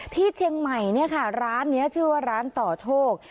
ที่เชียงใหม่ร้านนี้ชื่อว่าร้านต่อโชค